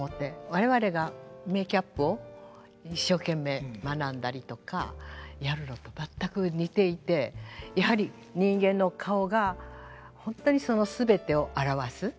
我々がメーキャップを一生懸命学んだりとかやるのと全く似ていてやはり人間の顔が本当にその全てを表す。